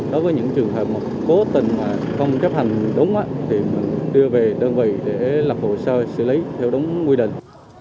đối với những trường hợp mà cố tình không chấp hành đúng thì đưa về đơn vị để lập hồ sơ xử lý theo đúng quy định